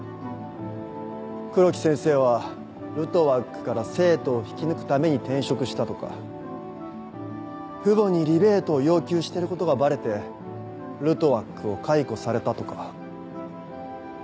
黒木先生はルトワックから生徒を引き抜くために転職したとか父母にリベートを要求してることがバレてルトワックを解雇されたとか。